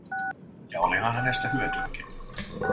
Ja olihan hänestä hyötyäkin.